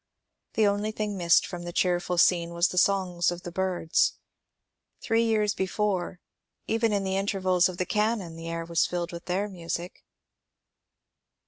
The only thing missed from the cheerful scene was the songs of the birds. Three years before, even in the intervals of the cannon, the air was filled with their music.